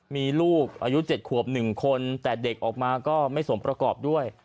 มีลูกอายุ๗ขวบ๑คนแต่เด็กออกมาก็ไม่สมประกอบด้วย